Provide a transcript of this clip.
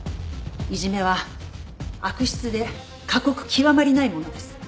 いじめは悪質で過酷極まりないものです。